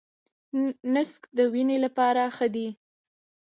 نسک د وینې لپاره ښه دي.